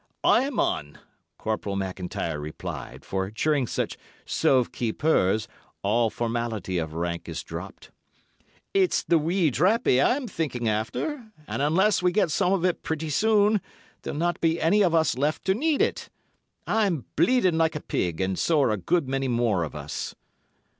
"Aye, mon!" Corporal MacIntyre replied, for during such "sauve qui peuts" all formality of rank is dropped, "It's the wee drappie I'm thinking after, and unless we get some of it pretty soon there'll not be any of us left to need it. I'm bleeding like a pig, and so are a good many more of us."